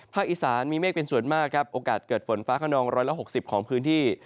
อีสานมีเมฆเป็นส่วนมากครับโอกาสเกิดฝนฟ้าขนอง๑๖๐ของพื้นที่